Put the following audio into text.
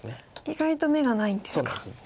意外と眼がないんですか。